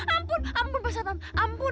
ampun ampun ampun ampun